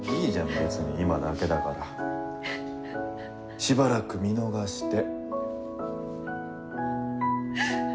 別に今だけだから。しばらく見逃して。